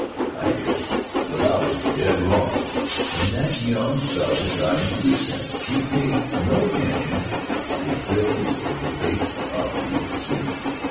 I did, but I was dead wrong. When that young fellow got into the Assembly he paid no attention to bills or debates about New York City.